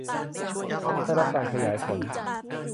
ได้รับการขยายผล